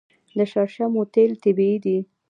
د شړشمو تیل طبیعي دي.